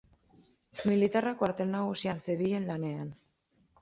Militarra kuartel nagusian zebilen lanean.